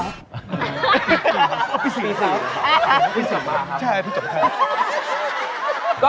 ใช่ปีจบครับ